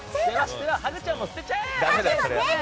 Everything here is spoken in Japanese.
ハグちゃんも捨てちゃえ！